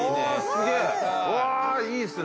いいですね